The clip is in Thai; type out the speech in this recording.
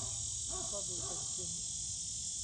ก็ดูเป็นชิ้น